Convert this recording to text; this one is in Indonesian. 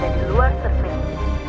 atau berada di luar servis area